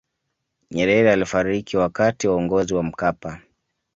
nyerere alifariki wakati wa uongozi wa mkapa